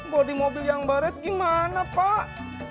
bodi mobil yang baret gimana pak